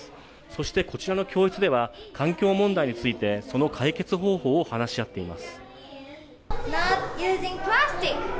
そして、こちらの教室では環境問題についてその解決方法を話し合っています。